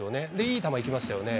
いい球いきましたよね。